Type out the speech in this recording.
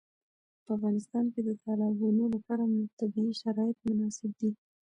په افغانستان کې د تالابونو لپاره طبیعي شرایط مناسب دي.